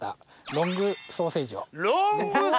ロングソーセージ。